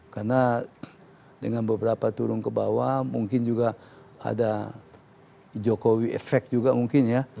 karena dengan beberapa turun ke bawah mungkin juga ada jokowi efek juga mungkin ya